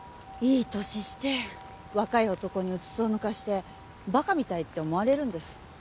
いい年して若い男にうつつを抜かしてバカみたいって思われるんです。